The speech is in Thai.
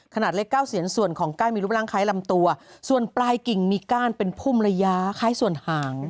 ขนาดเล็กเก้าเซียนส่วนของก้านมีรูปร่างคล้ายลำตัวส่วนปลายกิ่งมีก้านเป็นพุ่มระยะคล้ายส่วนหาง